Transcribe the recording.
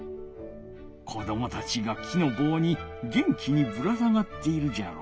子どもたちが木の棒に元気にぶら下がっているじゃろ。